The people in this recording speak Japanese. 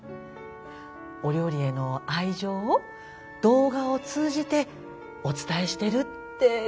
お料理への愛情を動画を通じてお伝えしてるって感じかしらねえ。